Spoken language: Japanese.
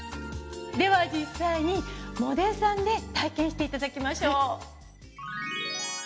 では実際にモデルさんで体験していただきましょう。